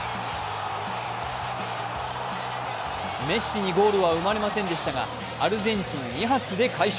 メッシにゴールは生まれませんでしたが、アルゼンチン２発で快勝。